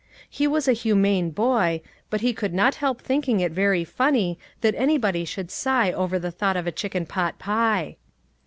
He was a humane boy, but he could not help thinking it very funny that anybody should sigh over the thought of a chicken pot pie.